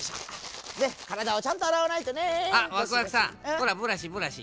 ほらブラシブラシ。